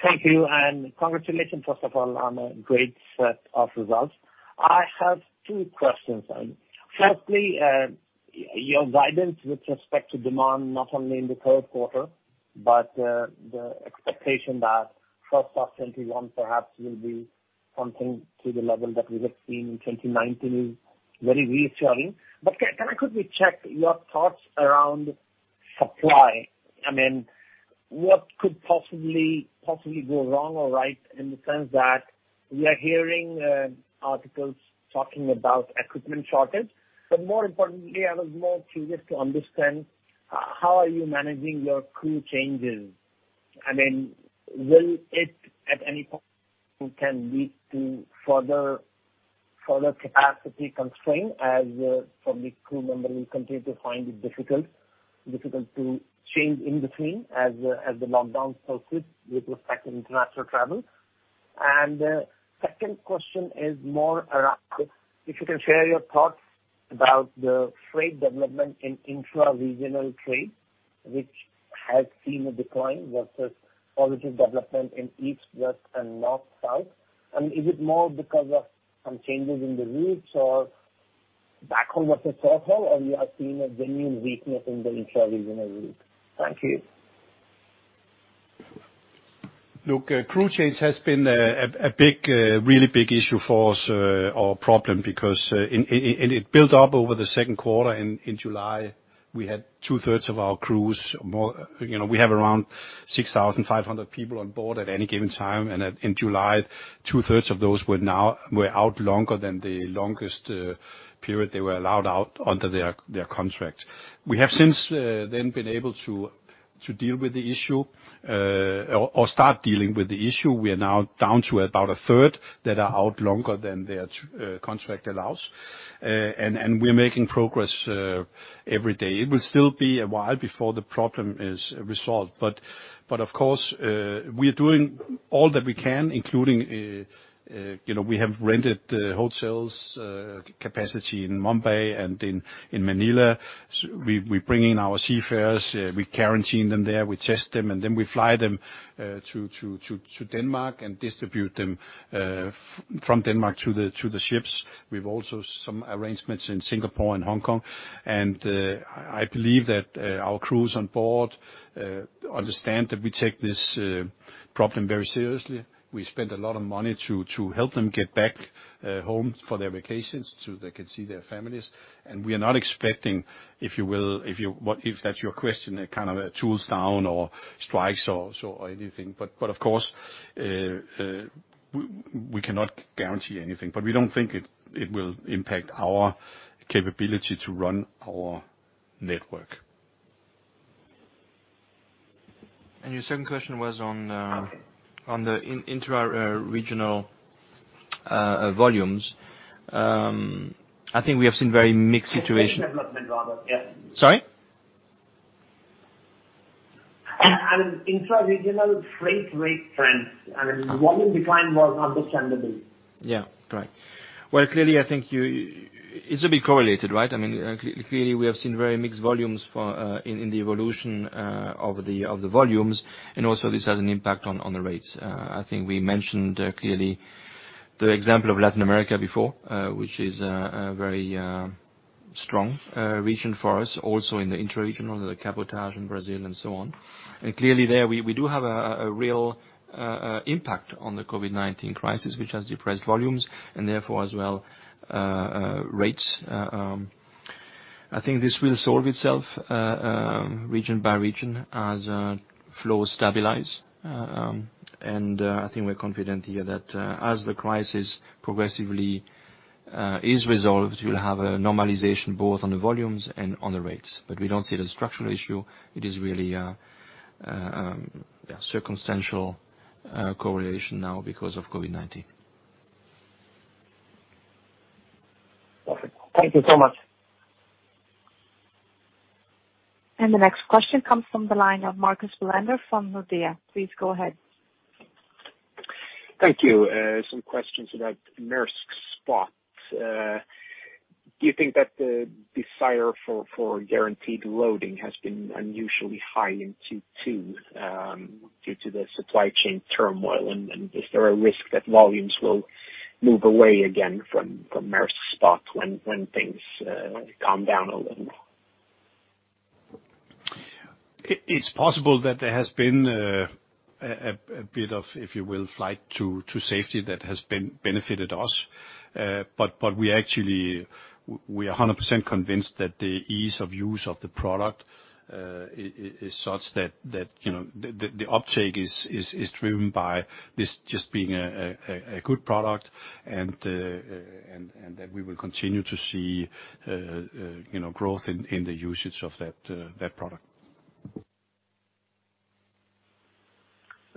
Thank you, and congratulations, first of all, on a great set of results. I have two questions. Firstly, your guidance with respect to demand, not only in the third quarter, but the expectation that first half 2021 perhaps will be something to the level that we have seen in 2019 is very reassuring. Can I quickly check your thoughts around supply? I mean, what could possibly go wrong or right in the sense that we are hearing articles talking about equipment shortage? More importantly, I was more curious to understand how are you managing your crew changes. Will it at any point can lead to further capacity constraint, as probably crew member will continue to find it difficult to change in between as the lockdowns persist with respect to international travel? Second question is more around if you can share your thoughts about the freight development in intra-regional trade, which has seen a decline versus positive development in East, West and North, South. Is it more because of some changes in the routes or back or you have seen a genuine weakness in the intra-regional route? Thank you. Look, crew change has been a really big issue for us or a problem because it built up over the second quarter. In July, we had two-thirds of our crews more We have around 6,500 people on board at any given time. In July, two-thirds of those were out longer than the longest period they were allowed out under their contract. We have since then been able to deal with the issue or start dealing with the issue. We are now down to about a third that are out longer than their contract allows. We're making progress every day. It will still be a while before the problem is resolved. Of course, we are doing all that we can, including we have rented hotels capacity in Mumbai and in Manila. We bring in our seafarers, we quarantine them there, we test them, and then we fly them to Denmark and distribute them from Denmark to the ships. We've also some arrangements in Singapore and Hong Kong. I believe that our crews on board understand that we take this problem very seriously. We spend a lot of money to help them get back home for their vacations so they can see their families. We are not expecting, if that's your question, a kind of a tools down or strikes or anything. Of course, we cannot guarantee anything. We don't think it will impact our capability to run our network. Your second question was. Okay. On the intra-regional volumes. I think we have seen very mixed situation. Development rather. Yes. Sorry? An intra-regional freight rate trend. Volume decline was understandable. Right. Well, clearly, I think it's a bit correlated, right? Clearly, we have seen very mixed volumes in the evolution of the volumes, and also this has an impact on the rates. I think we mentioned clearly the example of Latin America before, which is a very strong region for us, also in the intra-regional, the cabotage in Brazil and so on. Clearly there, we do have a real impact on the COVID-19 crisis, which has depressed volumes, and therefore as well, rates. I think this will solve itself region by region as flows stabilize. I think we're confident here that as the crisis progressively is resolved, we'll have a normalization both on the volumes and on the rates. We don't see it as a structural issue. It is really a circumstantial correlation now because of COVID-19. Perfect. Thank you so much. The next question comes from the line of Marcus Blom from Nordea. Please go ahead. Thank you. Some questions about Maersk Spot. Do you think that the desire for guaranteed loading has been unusually high in Q2 due to the supply chain turmoil? Is there a risk that volumes will move away again from Maersk Spot when things calm down a little? It's possible that there has been a bit of, if you will, flight to safety that has benefited us. We actually are 100% convinced that the ease of use of the product is such that the uptake is driven by this just being a good product, and that we will continue to see growth in the usage of that product.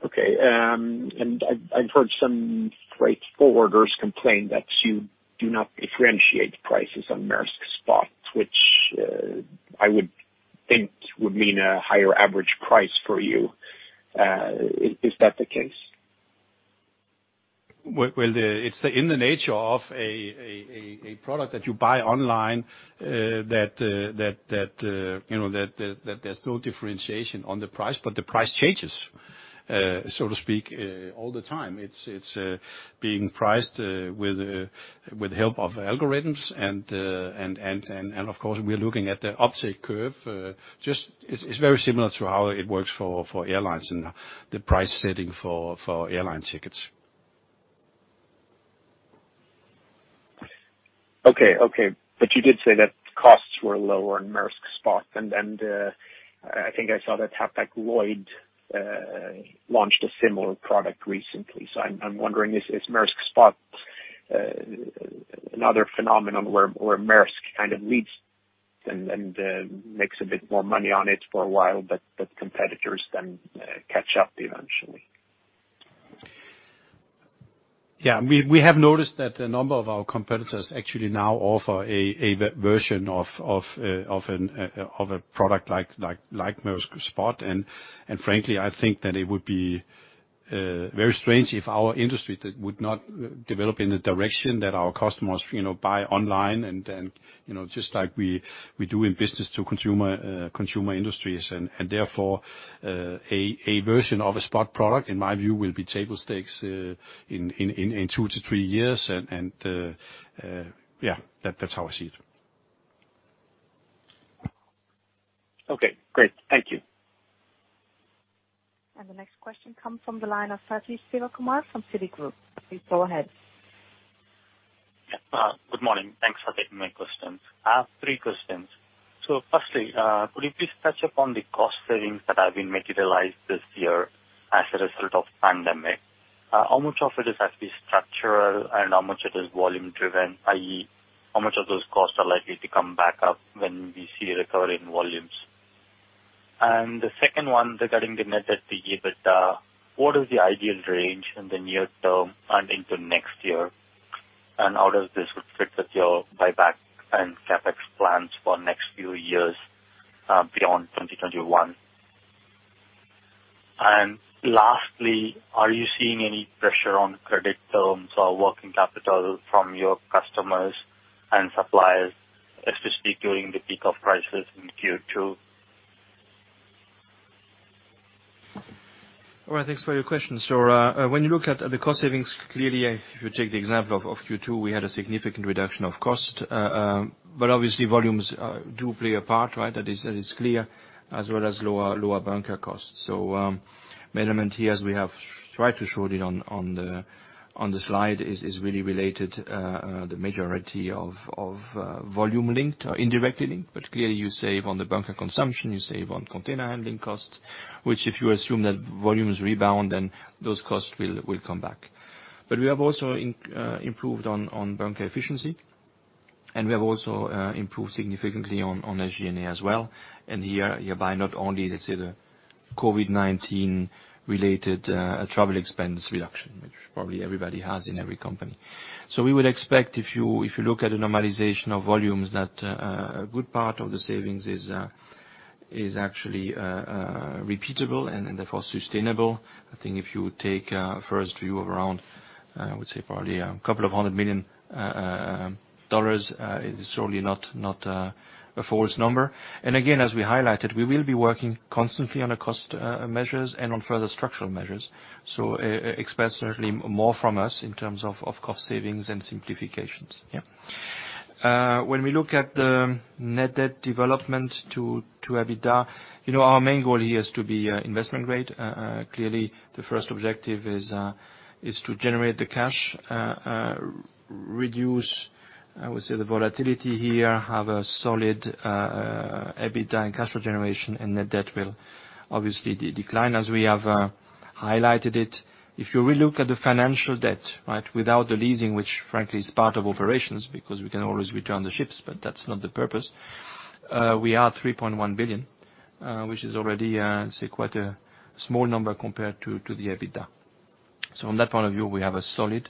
Okay. I've heard some freight forwarders complain that you do not differentiate prices on Maersk Spot, which I would think would mean a higher average price for you. Is that the case? Well, it's in the nature of a product that you buy online that there's no differentiation on the price, but the price changes, so to speak, all the time. It's being priced with help of algorithms, and of course, we are looking at the uptake curve. It's very similar to how it works for airlines and the price setting for airline tickets. Okay. You did say that costs were lower in Maersk Spot. I think I saw that Hapag-Lloyd launched a similar product recently. I'm wondering, is Maersk Spot another phenomenon where Maersk kind of leads and makes a bit more money on it for a while, but the competitors then catch up eventually? Yeah. We have noticed that a number of our competitors actually now offer a version of a product like Maersk Spot. Frankly, I think that it would be very strange if our industry would not develop in the direction that our customers buy online, and just like we do in business to consumer industries. Therefore, a version of a Spot product, in my view, will be table stakes in two to three years. Yeah. That's how I see it. Okay, great. Thank you. The next question comes from the line of Sathish Kumar from Citigroup. Please go ahead. Good morning. Thanks for taking my questions. I have three questions. Firstly, could you please touch upon the cost savings that have been materialized this year as a result of pandemic? How much of it is actually structural and how much it is volume driven, i.e., how much of those costs are likely to come back up when we see a recovery in volumes? The second one regarding the net debt to EBITDA, what is the ideal range in the near term and into next year? How does this reflect with your buyback and CapEx plans for next few years beyond 2021? Lastly, are you seeing any pressure on credit terms or working capital from your customers and suppliers, especially during the peak of crisis in Q2? Thanks for your question. When you look at the cost savings, clearly, if you take the example of Q2, we had a significant reduction of cost. Obviously volumes do play a part, right? That is clear as well as lower bunker costs. Element here, as we have tried to show it on the slide, is really related, the majority of volume linked or indirectly linked. Clearly you save on the bunker consumption, you save on container handling costs, which if you assume that volumes rebound, then those costs will come back. We have also improved on bunker efficiency, and we have also improved significantly on SG&A as well. Hereby not only, let's say, the COVID-19 related travel expense reduction, which probably everybody has in every company. We would expect if you look at the normalization of volumes, that a good part of the savings is actually repeatable and therefore sustainable. I think if you take a first view of around, I would say probably $200 million, it is surely not a false number. Again, as we highlighted, we will be working constantly on the cost measures and on further structural measures. Expect certainly more from us in terms of cost savings and simplifications. Yeah. When we look at the net debt development to EBITDA, our main goal here is to be investment grade. Clearly, the first objective is to generate the cash, reduce, I would say, the volatility here, have a solid EBITDA and cash flow generation and net debt will obviously decline as we have highlighted it. If you re-look at the financial debt, right, without the leasing, which frankly is part of operations because we can always return the ships, but that's not the purpose. We are $3.1 billion, which is already, say, quite a small number compared to the EBITDA. On that point of view, we have a solid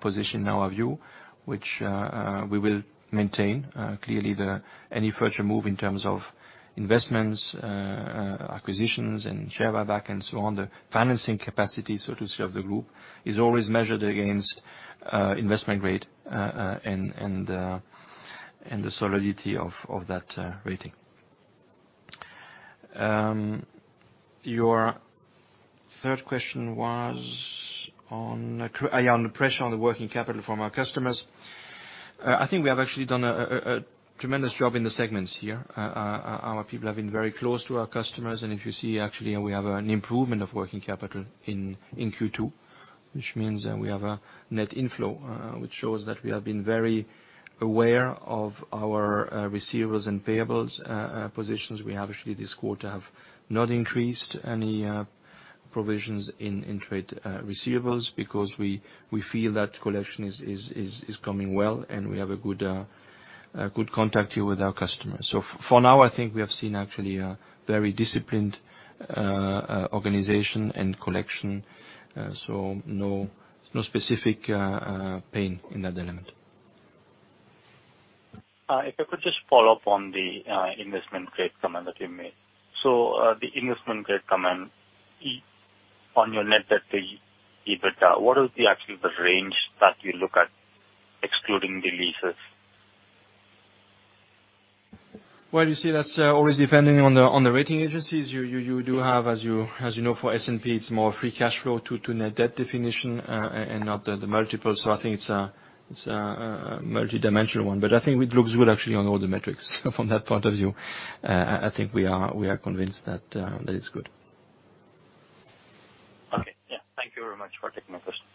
position in our view, which we will maintain. Clearly, any further move in terms of investments, acquisitions and share buyback and so on, the financing capacity, so to say, of the group, is always measured against investment grade and the solidity of that rating. Your third question was on the pressure on the working capital from our customers. I think we have actually done a tremendous job in the segments here. Our people have been very close to our customers. If you see actually, we have an improvement of working capital in Q2, which means we have a net inflow, which shows that we have been very aware of our receivables and payables positions. We actually, this quarter, have not increased any provisions in trade receivables because we feel that collection is coming well and we have a good contact here with our customers. For now, I think we have seen actually a very disciplined organization and collection. No specific pain in that element. If I could just follow up on the investment grade comment that you made. The investment grade comment on your net debt to EBITDA, what is the actual range that you look at, excluding the leases? Well, you see that's always depending on the rating agencies. You do have, as you know, for S&P, it's more free cash flow to net debt definition and not the multiple. I think it's a multidimensional one. I think it looks good actually on all the metrics from that point of view. I think we are convinced that it's good. Okay. Yeah. Thank you very much for taking my question.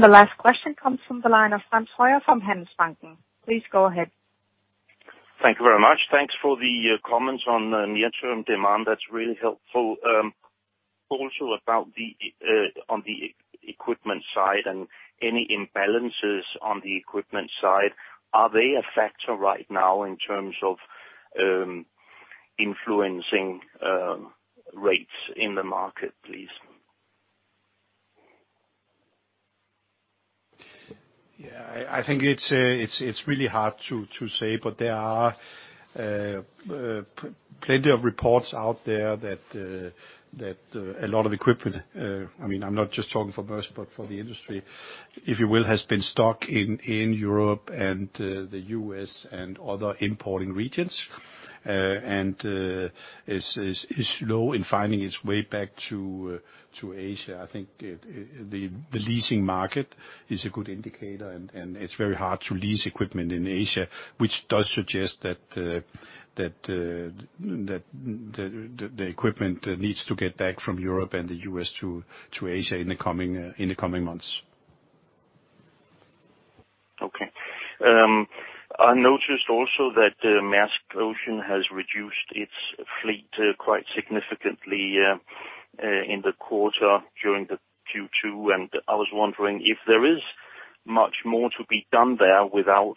The last question comes from the line of Frans Høyer from Handelsbanken. Please go ahead. Thank you very much. Thanks for the comments on near-term demand. That's really helpful. Also on the equipment side and any imbalances on the equipment side, are they a factor right now in terms of influencing rates in the market, please? Yeah. I think it's really hard to say, but there are plenty of reports out there that a lot of equipment, I'm not just talking for Maersk, but for the industry, if you will, has been stuck in Europe and the U.S. and other importing regions. Is slow in finding its way back to Asia. I think the leasing market is a good indicator, and it's very hard to lease equipment in Asia, which does suggest that the equipment needs to get back from Europe and the U.S. to Asia in the coming months. Okay. I noticed also that Maersk Ocean has reduced its fleet quite significantly in the quarter during the Q2, and I was wondering if there is much more to be done there without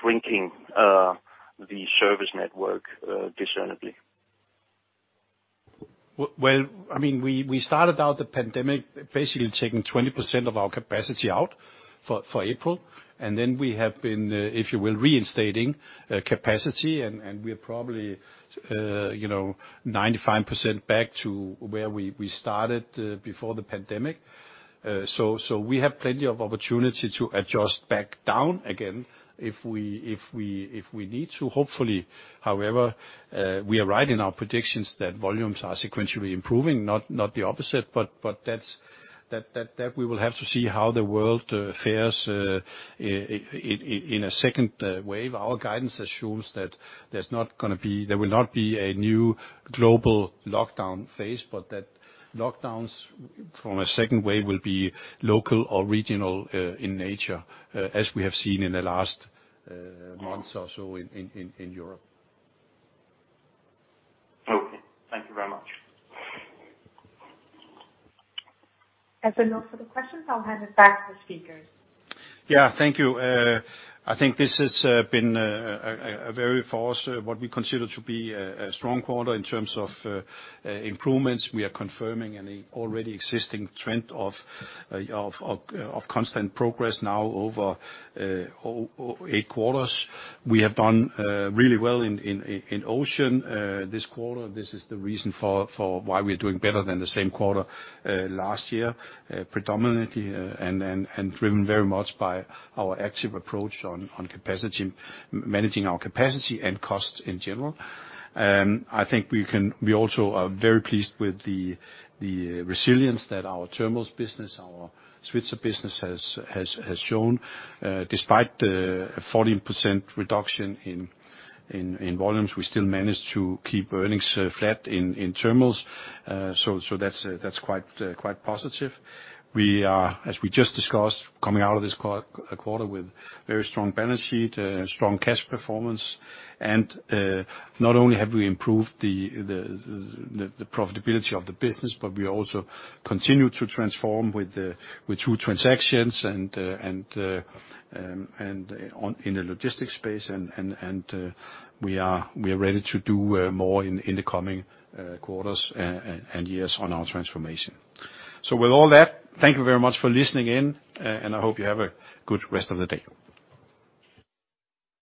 shrinking the service network discernibly? Well, we started out the pandemic basically taking 20% of our capacity out for April, and then we have been, if you will, reinstating capacity, and we are probably 95% back to where we started before the pandemic. We have plenty of opportunity to adjust back down again if we need to. Hopefully, however, we are right in our predictions that volumes are sequentially improving, not the opposite. That we will have to see how the world fares in a second wave. Our guidance assumes that there will not be a new global lockdown phase, but that lockdowns from a second wave will be local or regional in nature, as we have seen in the last months or so in Europe. Okay. Thank you very much. As a note for the questions, I'll hand it back to the speakers. Thank you. I think this has been a very fast, what we consider to be a strong quarter in terms of improvements. We are confirming an already existing trend of constant progress now over eight quarters. We have done really well in Ocean this quarter. This is the reason for why we're doing better than the same quarter last year, predominantly, and driven very much by our active approach on managing our capacity and costs in general. I think we also are very pleased with the resilience that our Terminals business, our Svitzer business has shown. Despite the 14% reduction in volumes, we still managed to keep earnings flat in Terminals. That's quite positive. We are, as we just discussed, coming out of this quarter with very strong balance sheet, strong cash performance. Not only have we improved the profitability of the business, but we also continue to transform with true transactions and in the logistics space, and we are ready to do more in the coming quarters and years on our transformation. With all that, thank you very much for listening in, and I hope you have a good rest of the day.